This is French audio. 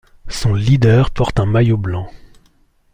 Son leader porte un maillot blanc.